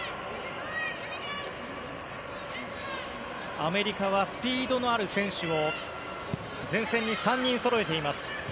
アメリカはスピードのある選手を前線に３人そろえています。